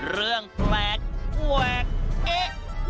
เรื่องแหลกแหวกเอ๊ะ